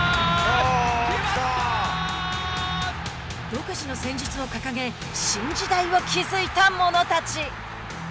独自の戦術を掲げ新時代を築いた者たち。